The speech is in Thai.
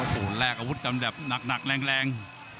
โอ้โหแลกอาวุธกันแบบหนักแรง